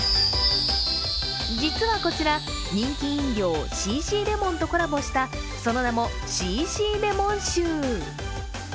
実はこちら、人気飲料Ｃ．Ｃ．レモンとコラボしたその名もＣ．Ｃ．レモンシュー。